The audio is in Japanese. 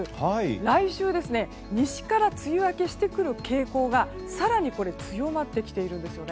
来週、西から梅雨明けしてくる傾向が更に強まってきているんです。